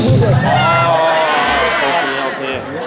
อาหารการกิน